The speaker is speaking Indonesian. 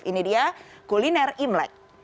ini dia kuliner imlek